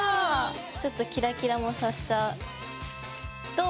ちょっとキラキラも足しちゃう。